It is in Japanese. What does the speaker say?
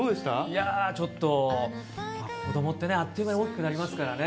いやー、ちょっと子どもってね、あっという間に大きくなりますからね。